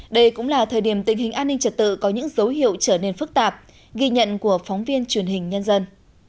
đây cũng là thời điểm tình hình an ninh trật tự có những dấu hiệu trở nên phức tạp ghi nhận của phóng viên truyền hình nhân dân